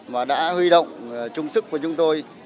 mà đã huy động chung sức với chúng tôi